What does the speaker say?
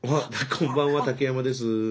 こんばんは竹山です。